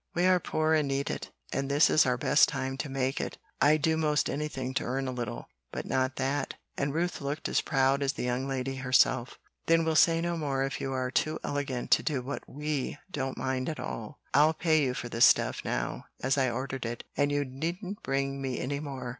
"We are poor and need it, and this is our best time to make it. I'd do most anything to earn a little, but not that;" and Ruth looked as proud as the young lady herself. "Then we'll say no more if you are too elegant to do what WE don't mind at all. I'll pay you for this stuff now, as I ordered it, and you needn't bring me any more.